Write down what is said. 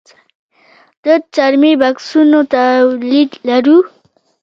د څرمي بکسونو تولید لرو؟